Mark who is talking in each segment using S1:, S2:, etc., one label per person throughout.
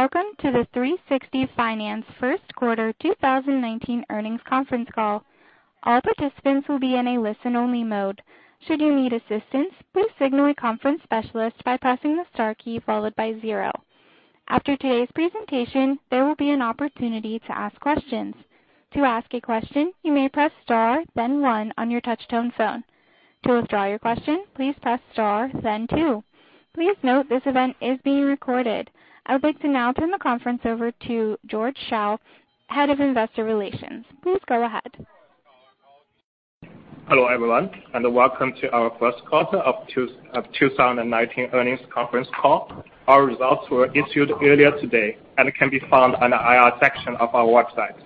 S1: Welcome to the 360 Finance First Quarter 2019 Earnings Conference Call. All participants will be in a listen-only mode. Should you need assistance, please signal a conference specialist by pressing the star key followed by zero. After today's presentation, there will be an opportunity to ask questions. To ask a question, you may press star, then one on your touchtone phone. To withdraw your question, please press star, then two. Please note this event is being recorded. I would like to now turn the conference over to George Shao, Head of Investor Relations. Please go ahead.
S2: Hello, everyone, and welcome to our First Quarter of 2019 Earnings Conference Call. Our results were issued earlier today and can be found on the IR section of our website.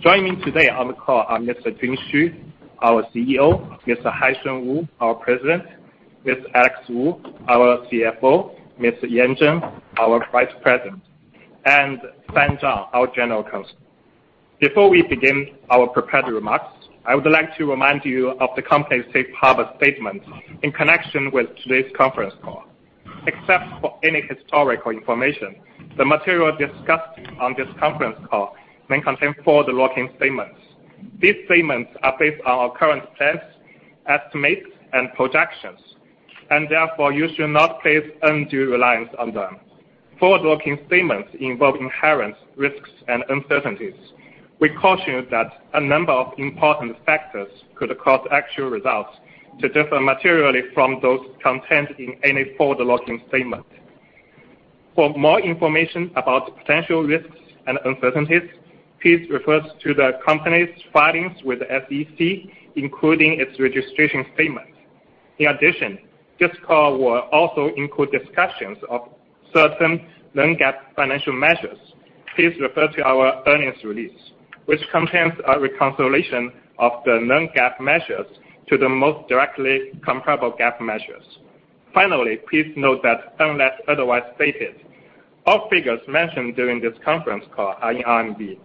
S2: Joining me today on the call are Mr. Jun Xu, our CEO; Mr. Haisheng Wu, our President; Mr. Alex Wu, our CFO; Mr. Yan Zheng, our Vice President; and Fan Zhang, our General Counsel. Before we begin our prepared remarks, I would like to remind you of the company's safe harbor statement in connection with today's conference call. Except for any historical information, the material discussed on this conference call may contain forward-looking statements. These statements are based on our current plans, estimates, and projections, and therefore, you should not place undue reliance on them. Forward-looking statements involve inherent risks and uncertainties. We caution you that a number of important factors could cause actual results to differ materially from those contained in any forward-looking statement. For more information about the potential risks and uncertainties, please refer to the company's filings with the SEC, including its registration statement. In addition, this call will also include discussions of certain non-GAAP financial measures. Please refer to our earnings release, which contains a reconciliation of the non-GAAP measures to the most directly comparable GAAP measures. Finally, please note that unless otherwise stated, all figures mentioned during this conference call are in RMB.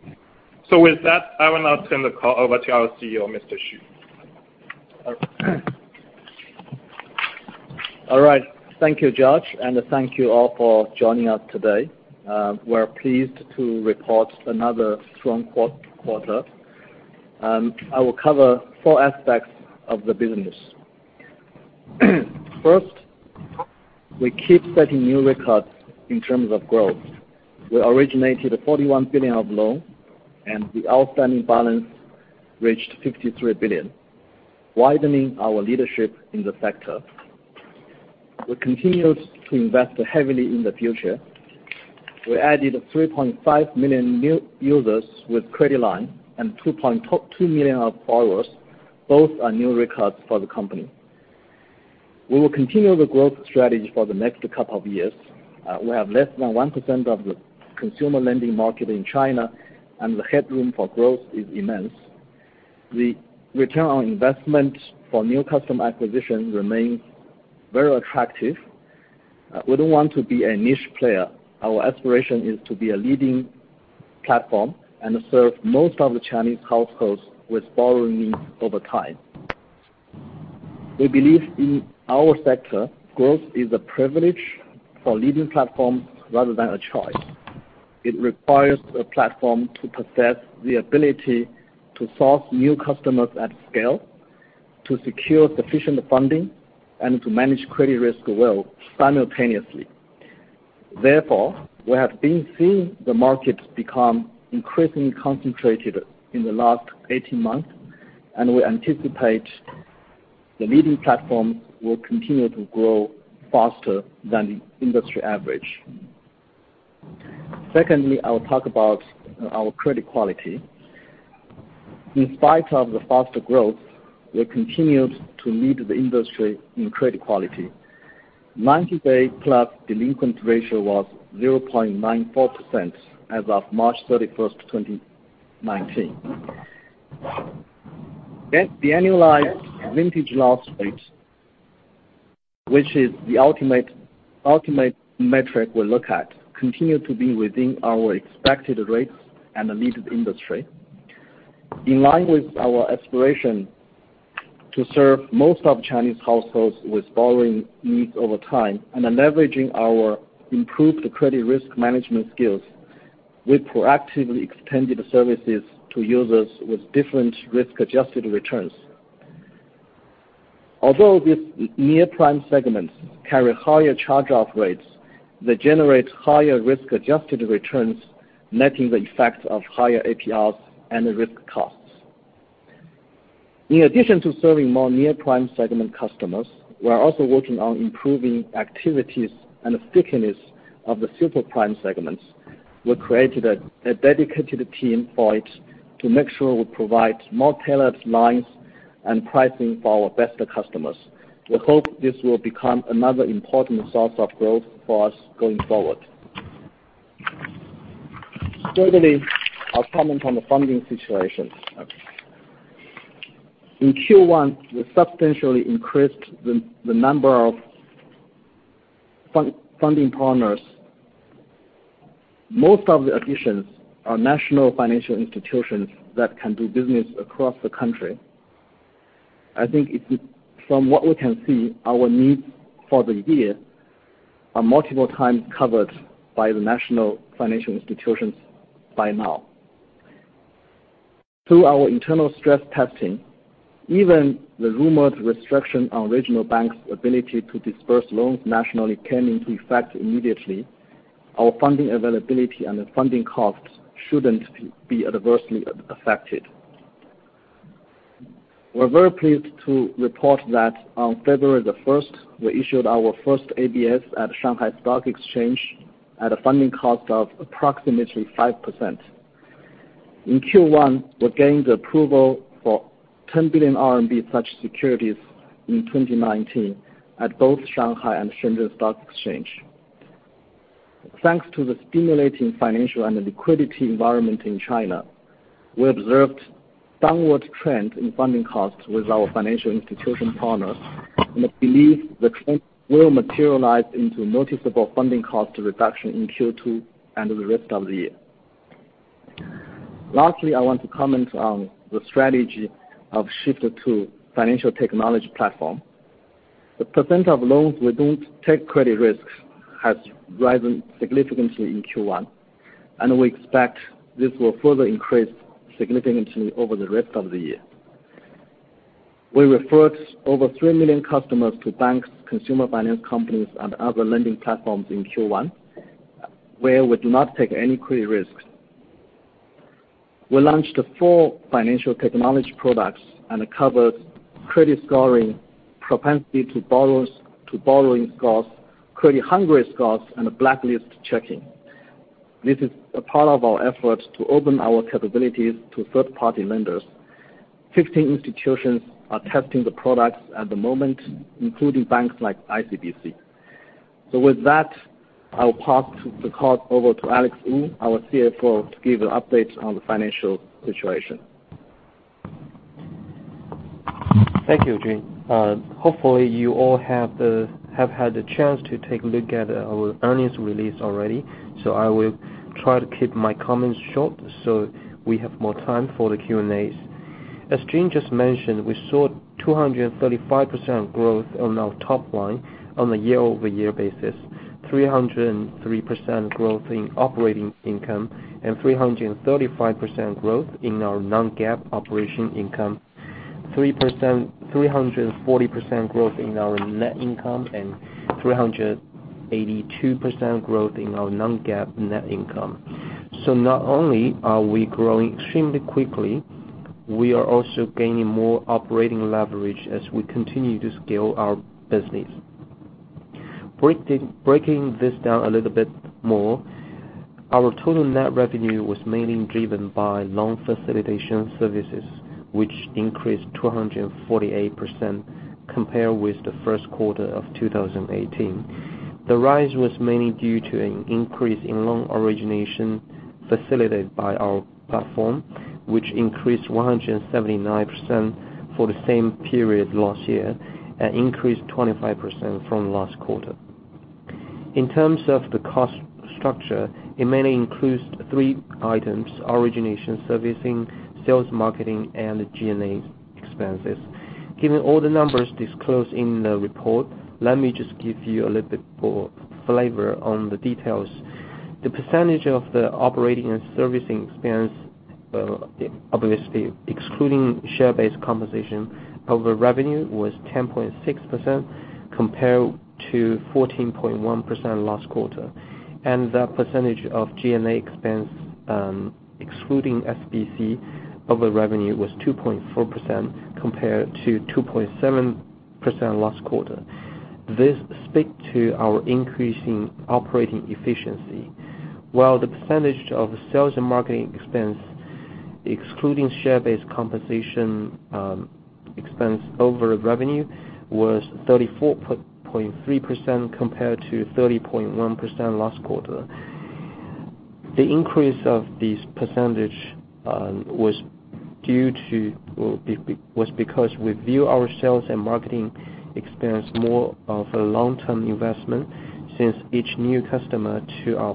S2: So with that, I will now turn the call over to our CEO, Mr. Xu.
S3: All right. Thank you, George, and thank you all for joining us today. We're pleased to report another strong quarter. I will cover four aspects of the business. First, we keep setting new records in terms of growth. We originated 41 billion of loan, and the outstanding balance reached 53 billion, widening our leadership in the sector. We continued to invest heavily in the future. We added 3.5 million new users with credit line and 2.2 million of borrowers. Both are new records for the company. We will continue the growth strategy for the next couple of years. We have less than 1% of the consumer lending market in China, and the headroom for growth is immense. The return on investment for new customer acquisition remains very attractive. We don't want to be a niche player. Our aspiration is to be a leading platform and serve most of the Chinese households with borrowing needs over time. We believe in our sector, growth is a privilege for leading platforms rather than a choice. It requires a platform to possess the ability to source new customers at scale, to secure sufficient funding, and to manage credit risk well simultaneously. Therefore, we have been seeing the market become increasingly concentrated in the last 18 months, and we anticipate the leading platforms will continue to grow faster than the industry average. Secondly, I will talk about our credit quality. In spite of the faster growth, we continued to lead the industry in credit quality. 90-day plus delinquent ratio was 0.94% as of March 31st, 2019. Then the annualized vintage loss rate, which is the ultimate, ultimate metric we look at, continued to be within our expected rates and lead the industry. In line with our aspiration to serve most of Chinese households with borrowing needs over time and leveraging our improved credit risk management skills, we proactively extended services to users with different risk-adjusted returns. Although these near-prime segments carry higher charge-off rates, they generate higher risk-adjusted returns, netting the effects of higher APRs and risk costs. In addition to serving more near-prime segment customers, we are also working on improving activities and the stickiness of the super prime segments. We created a dedicated team for it to make sure we provide more tailored lines and pricing for our best customers. We hope this will become another important source of growth for us going forward. Thirdly, I'll comment on the funding situation. In Q1, we substantially increased the number of funding partners. Most of the additions are national financial institutions that can do business across the country. I think it's from what we can see, our needs for the year are multiple times covered by the national financial institutions by now. Through our internal stress testing, even the rumored restriction on regional banks' ability to disburse loans nationally came into effect immediately, our funding availability and the funding costs shouldn't be adversely affected. We're very pleased to report that on February the 1st, we issued our first ABS at the Shanghai Stock Exchange at a funding cost of approximately 5%. In Q1, we gained approval for 10 billion RMB such securities in 2019 at both Shanghai and Shenzhen Stock Exchange. Thanks to the stimulating financial and the liquidity environment in China, we observed downward trend in funding costs with our financial institution partners, and I believe the trend will materialize into noticeable funding cost reduction in Q2 and the rest of the year. Lastly, I want to comment on the strategy of shift to financial technology platform. The percent of loans we don't take credit risks has risen significantly in Q1, and we expect this will further increase significantly over the rest of the year. We referred over three million customers to banks, consumer finance companies, and other lending platforms in Q1, where we do not take any credit risks. We launched four financial technology products, and it covers credit scoring, propensity to borrowing scores, credit hungry scores, and blacklist checking. This is a part of our efforts to open our capabilities to third-party lenders. 15 institutions are testing the products at the moment, including banks like ICBC. With that, I will pass the call over to Alex Wu, our CFO, to give an update on the financial situation.
S4: Thank you, Jun. Hopefully, you all have the, have had the chance to take a look at our earnings release already, so I will try to keep my comments short, so we have more time for the Q&As. As Jun just mentioned, we saw 235% growth on our top line on a year-over-year basis, 303% growth in operating income, and 335% growth in our non-GAAP operation income. Three hundred and forty percent growth in our net income, and 382% growth in our non-GAAP net income. So not only are we growing extremely quickly, we are also gaining more operating leverage as we continue to scale our business. Breaking, breaking this down a little bit more, our total net revenue was mainly driven by loan facilitation services, which increased 248% compared with the first quarter of 2018. The rise was mainly due to an increase in loan origination facilitated by our platform, which increased 179% for the same period last year and increased 25% from last quarter. In terms of the cost structure, it mainly includes three items: origination, servicing, sales, marketing, and G&A expenses. Given all the numbers disclosed in the report, let me just give you a little bit more flavor on the details. The percentage of the operating and servicing expense, obviously, excluding share-based compensation of the revenue, was 10.6%, compared to 14.1% last quarter. The percentage of G&A expense, excluding SBC of the revenue, was 2.4%, compared to 2.7% last quarter. This speak to our increasing operating efficiency. While the percentage of sales and marketing expense, excluding share-based compensation, expense over revenue, was 34.3%, compared to 30.1% last quarter. The increase of this percentage was because we view our sales and marketing expense more of a long-term investment, since each new customer to our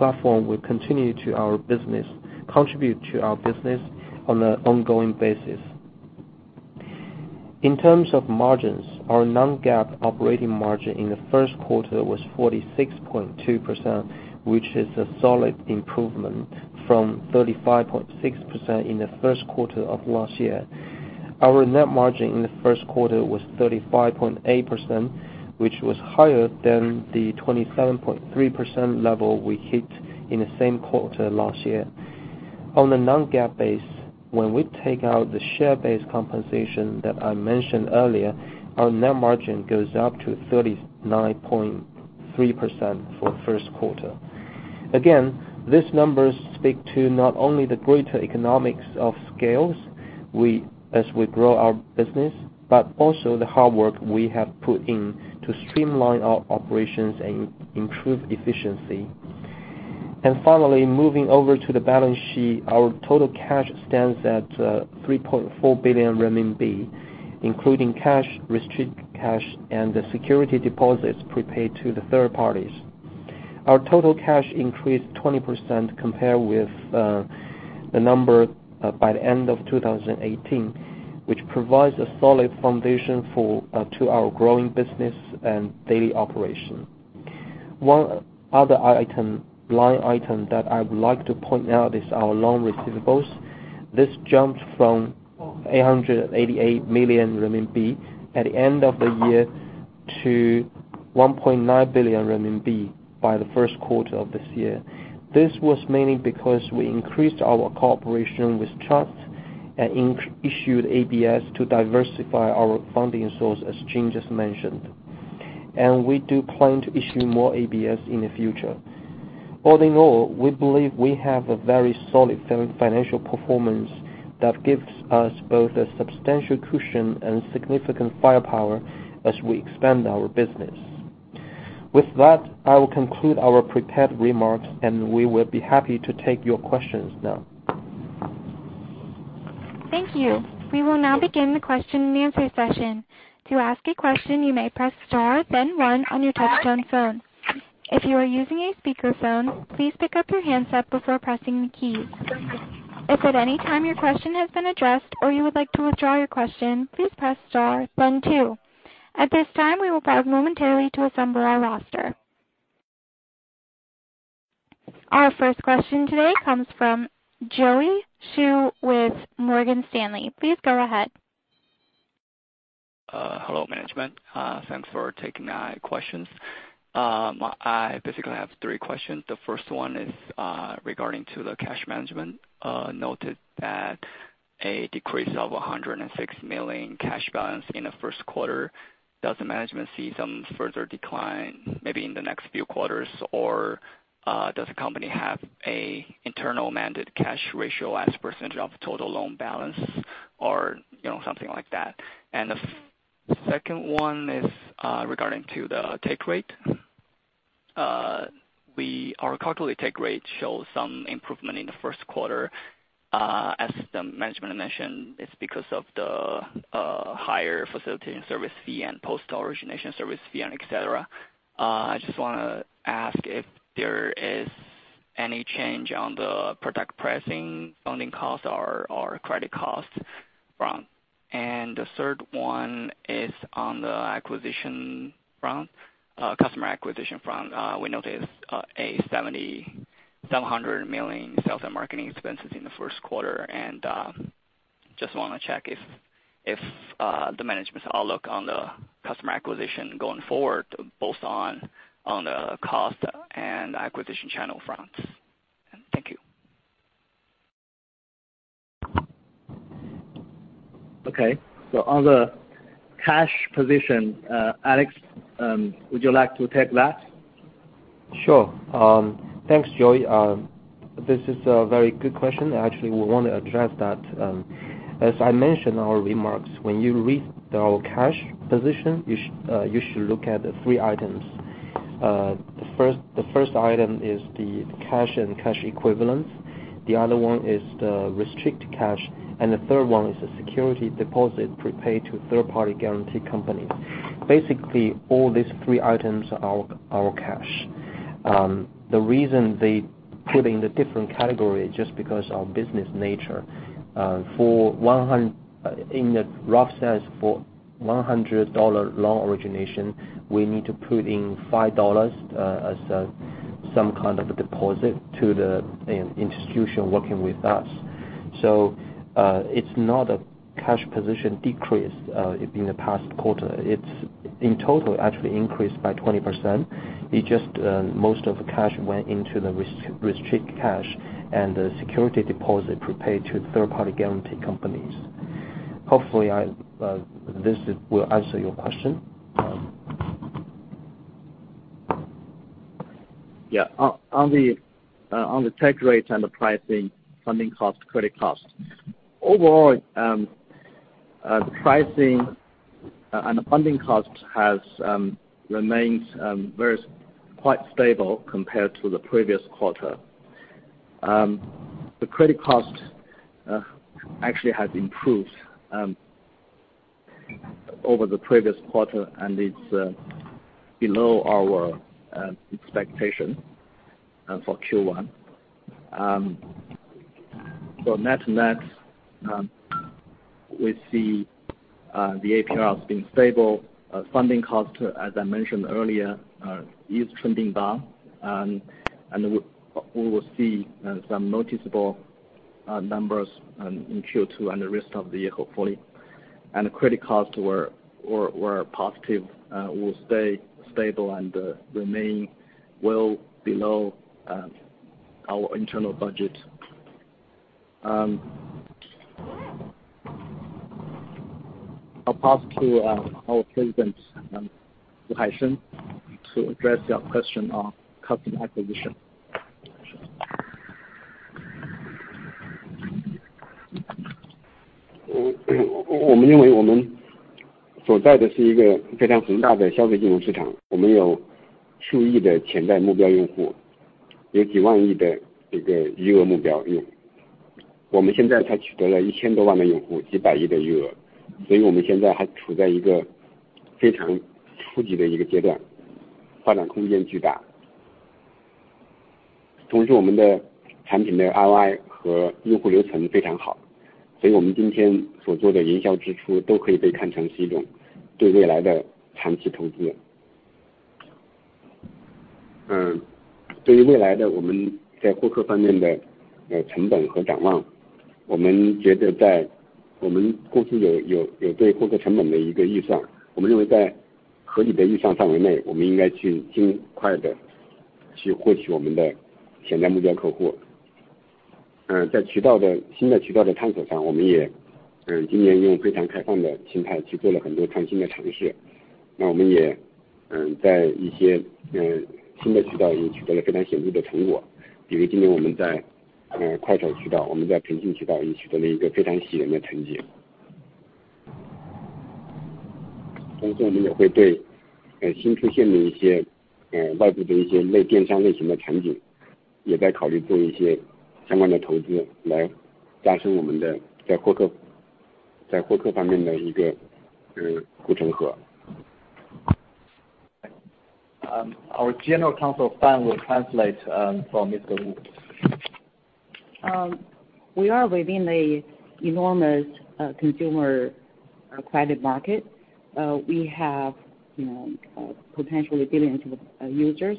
S4: platform will continue to contribute to our business on an ongoing basis. In terms of margins, our non-GAAP operating margin in the first quarter was 46.2%, which is a solid improvement from 35.6% in the first quarter of last year. Our net margin in the first quarter was 35.8%, which was higher than the 27.3% level we hit in the same quarter last year. On a non-GAAP basis, when we take out the share-based compensation that I mentioned earlier, our net margin goes up to 39.3% for first quarter. Again, these numbers speak to not only the greater economies of scale as we grow our business, but also the hard work we have put in to streamline our operations and improve efficiency. Finally, moving over to the balance sheet, our total cash stands at 3.4 billion RMB, including cash, restricted cash, and the security deposits prepaid to the third parties. Our total cash increased 20% compared with the number by the end of 2018, which provides a solid foundation for to our growing business and daily operation. One other item, line item, that I would like to point out is our loan receivables. This jumped from 888 million RMB at the end of the year, to 1.9 billion RMB by the first quarter of this year. This was mainly because we increased our cooperation with trust and issued ABS to diversify our funding source, as Jun just mentioned. We do plan to issue more ABS in the future. All in all, we believe we have a very solid financial performance that gives us both a substantial cushion and significant firepower as we expand our business. With that, I will conclude our prepared remarks, and we will be happy to take your questions now.
S1: Thank you. We will now begin the question and answer session. To ask a question, you may press star then one on your touchtone phone. If you are using a speakerphone, please pick up your handset before pressing the keys. If at any time your question has been addressed or you would like to withdraw your question, please press star then two. At this time, we will pause momentarily to assemble our roster. Our first question today comes from Richard Xu with Morgan Stanley. Please go ahead.
S5: Hello, management. Thanks for taking my questions. I basically have three questions. The first one is, regarding to the cash management. Noted that a decrease of 106 million cash balance in the first quarter, does the management see some further decline maybe in the next few quarters, or, does the company have a internal mandated cash ratio as percentage of total loan balance or, you know, something like that? And the second one is, regarding to the take rate. Our quarterly take rate shows some improvement in the first quarter. As the management mentioned, it's because of the, higher facility and service fee and post origination service fee and et cetera. I just wanna ask if there is any change on the product pricing, funding costs or credit costs front? The third one is on the acquisition front, customer acquisition front. We noticed a 770 million sales and marketing expenses in the first quarter, and just wanna check if the management's outlook on the customer acquisition going forward, both on the cost and acquisition channel fronts. Thank you.
S3: Okay. So on the cash position, Alex, would you like to take that?
S4: Sure. Thanks, Joey. This is a very good question. Actually, we want to address that. As I mentioned in our remarks, when you read our cash position, you should look at the three items. The first item is the cash and cash equivalents, the other one is the restricted cash, and the third one is the security deposit prepaid to third party guarantee company. Basically, all these three items are our cash. The reason they put in the different category, just because of business nature, in the rough sense, for $100 loan origination, we need to put in $5, as some kind of a deposit to the, an institution working with us. So, it's not a cash position decrease, in the past quarter, it's... In total, actually increased by 20%. It's just, most of the cash went into the restricted cash and the security deposit prepaid to third-party guarantee companies. Hopefully, I, this will answer your question.
S3: Yeah. On the take rate and the pricing, funding cost, credit cost. Overall, the pricing and the funding cost has remained very quite stable compared to the previous quarter. The credit cost actually has improved over the previous quarter, and it's below our expectation for Q1. So net-to-net, we see the APR as being stable. Funding cost, as I mentioned earlier, is trending down, and we will see some noticeable numbers in Q2 and the rest of the year, hopefully. And the credit costs were positive, will stay stable and remain well below our internal budget. I'll pass to our president, Haisheng, to address your question on customer acquisition.
S5: Um,
S6: ...We now only have over 10 million users. We now only have over 10 million users. We are within the enormous consumer credit market. We have, you know, potentially billions of users.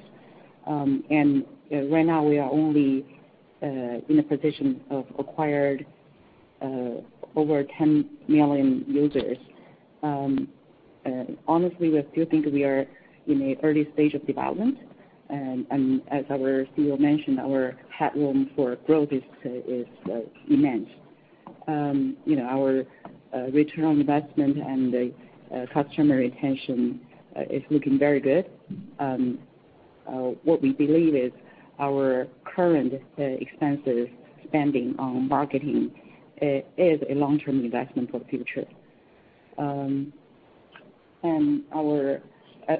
S6: And right now, we are only in a position of acquired over 10 million users. Honestly, we still think we are in a early stage of development. And as our CEO mentioned, our headroom for growth is immense. You know, our return on investment and the customer retention is looking very good. What we believe is our current expenses spending on marketing is a long-term investment for the future. And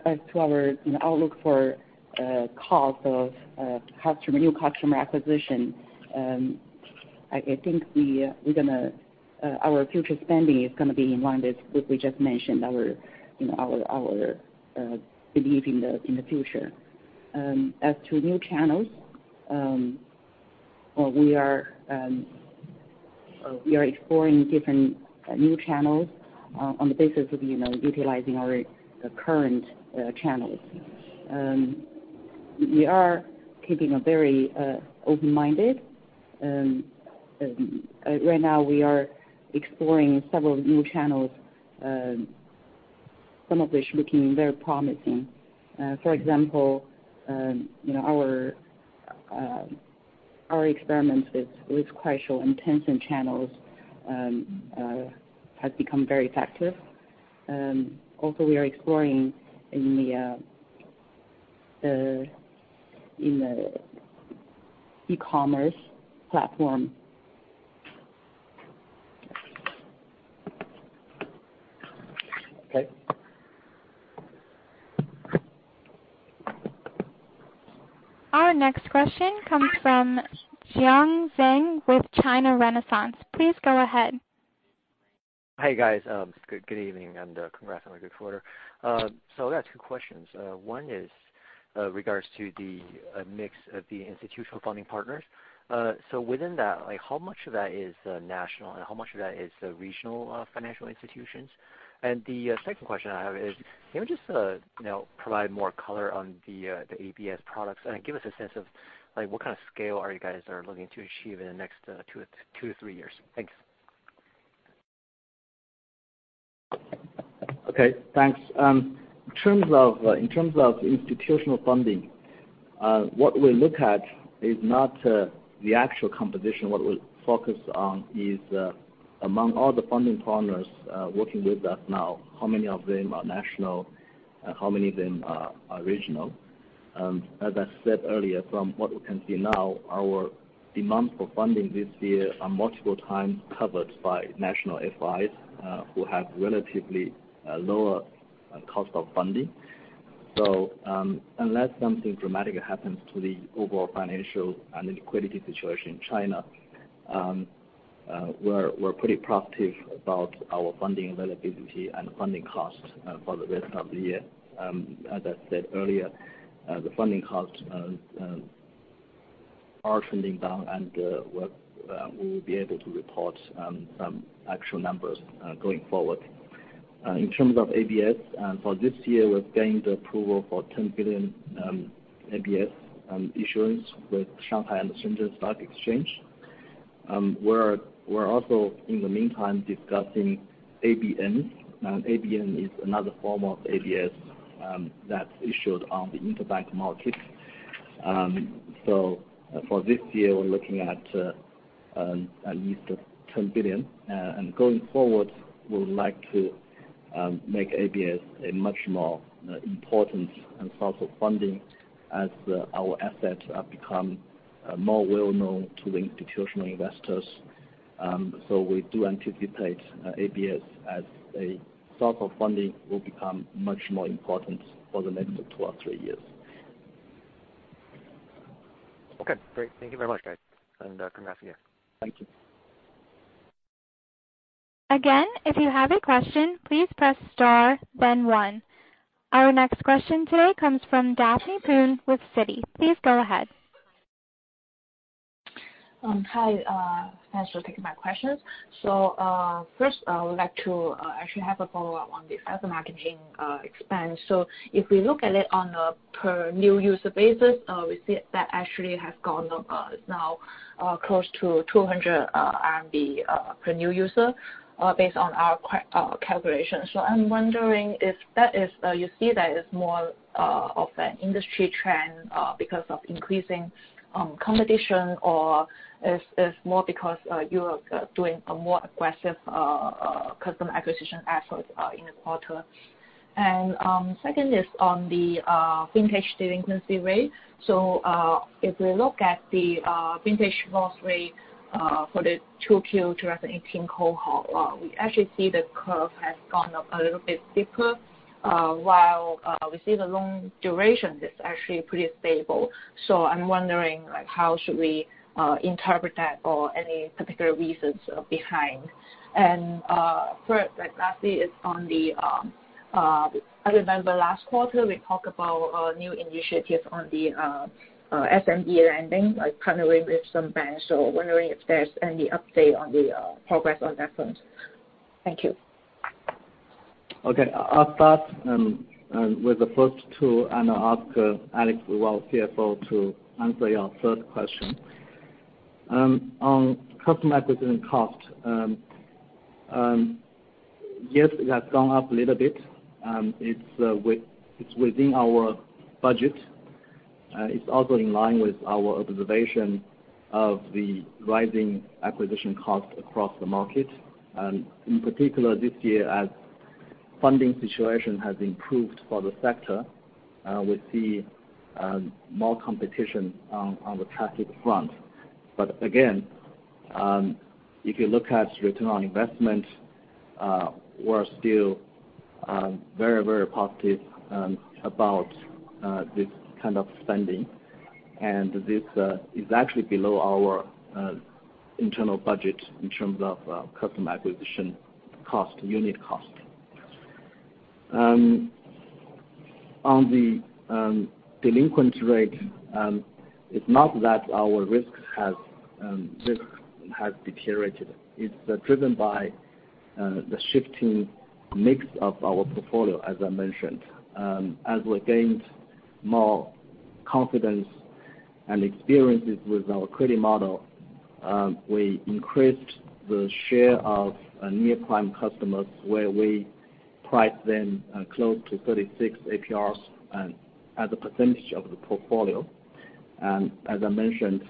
S6: as to our, you know, outlook for cost of new customer acquisition, I think we're gonna, our future spending is gonna be in line with what we just mentioned, our, you know, our belief in the future. As to new channels, well, we are exploring different new channels on the basis of, you know, utilizing our current channels. We are keeping a very open-minded. Right now we are exploring several new channels, some of which looking very promising. For example, you know, our experiments with Kuaishou and Tencent channels has become very effective. Also, we are exploring in the e-commerce platform.
S5: Okay.
S1: Our next question comes from Jiang Zhang with China Renaissance. Please go ahead.
S7: Hi, guys. Good evening, and congrats on the good quarter. So I got two questions. One is regards to the mix of the institutional funding partners. So within that, like, how much of that is national, and how much of that is regional financial institutions? And the second question I have is, can you just, you know, provide more color on the ABS products, and give us a sense of, like, what kind of scale are you guys are looking to achieve in the next two to three years? Thanks.
S3: Okay, thanks. In terms of institutional funding, what we look at is not the actual composition. What we focus on is, among all the funding partners working with us now, how many of them are national, and how many of them are regional? As I said earlier, from what we can see now, our demand for funding this year are multiple times covered by national FIs, who have relatively lower cost of funding. So, unless something dramatic happens to the overall financial and liquidity situation in China, we're pretty proactive about our funding availability and funding cost for the rest of the year. As I said earlier, the funding costs are trending down, and we're we will be able to report some actual numbers going forward. In terms of ABS, for this year, we've gained approval for 10 billion ABS issuance with Shanghai and Shenzhen Stock Exchange. We're also, in the meantime, discussing ABNs. Now, ABN is another form of ABS that's issued on the interbank market. So for this year, we're looking at at least 10 billion. And going forward, we would like to make ABS a much more important and source of funding as our assets have become more well-known to institutional investors. So we do anticipate ABS as a source of funding will become much more important for the next two or three years.
S7: Okay, great. Thank you very much, guys, and congrats again.
S3: Thank you.
S1: Again, if you have a question, please press star, then one. Our next question today comes from Daphne Poon with Citi. Please go ahead.
S8: Hi, thanks for taking my questions. So, first, I would like to actually have a follow-up on the sales marketing expense. So if we look at it on a per new user basis, we see that actually has gone up, now, close to 200 RMB per new user, based on our calculation. So I'm wondering if that is, you see that as more of an industry trend because of increasing competition, or is, is more because you're doing a more aggressive customer acquisition efforts in the quarter? And, second is on the vintage delinquency rate. So, if we look at the vintage loss rate for the 2Q 2018 cohort, we actually see the curve has gone up a little bit steeper, while we see the long duration is actually pretty stable. So I'm wondering, like, how should we interpret that or any particular reasons behind? And third, like, lastly, is on the I remember last quarter, we talked about a new initiative on the SME lending, like partnering with some banks. So wondering if there's any update on the progress on that front. Thank you.
S3: Okay. I'll start with the first two, and I'll ask Alex, our CFO, to answer your third question. On customer acquisition cost, yes, it has gone up a little bit, it's within our budget. It's also in line with our observation of the rising acquisition cost across the market. And in particular, this year, as funding situation has improved for the sector, we see more competition on the traffic front. But again, if you look at return on investment, we're still very, very positive about this kind of spending, and this is actually below our internal budget in terms of customer acquisition cost, unit cost. On the delinquency rate, it's not that our risk has deteriorated. It's driven by the shifting mix of our portfolio, as I mentioned. As we gained more confidence and experiences with our credit model, we increased the share of near-prime customers, where we price them close to 36 APRs and as a percentage of the portfolio. And as I mentioned,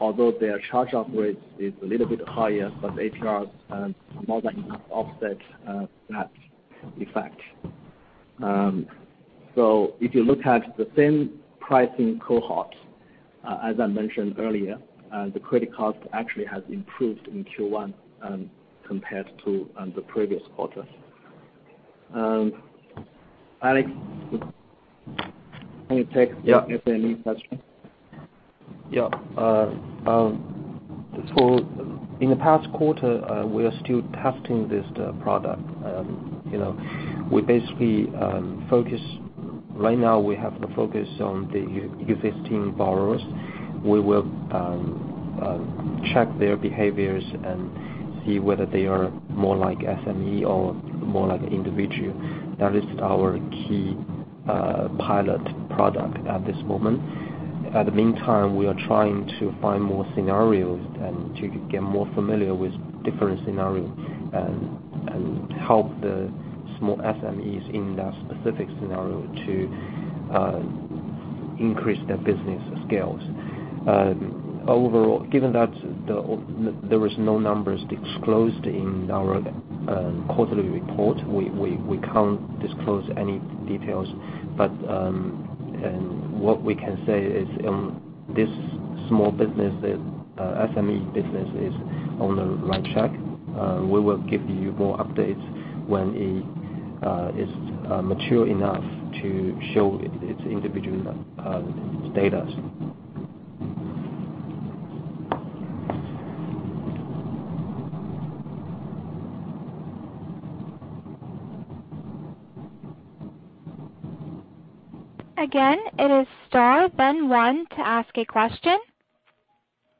S3: although their charge-off rate is a little bit higher, but APRs more than enough to offset that effect. So if you look at the same pricing cohort, as I mentioned earlier, the credit cost actually has improved in Q1, compared to the previous quarter. Alex, can you take-
S4: Yeah.
S3: the SME question?
S4: Yeah. So in the past quarter, we are still testing this, the product. You know, we basically. Right now, we have the focus on the existing borrowers. We will check their behaviors and see whether they are more like SME or more like individual. That is our key pilot product at this moment. At the meantime, we are trying to find more scenarios and to get more familiar with different scenarios and help the small SMEs in that specific scenario to increase their business scales. Overall, given that there is no numbers disclosed in our quarterly report, we can't disclose any details. But, and what we can say is, this small business SME business is on the right track. We will give you more updates when it is mature enough to show its individual data.
S1: Again, it is star, then one, to ask a question.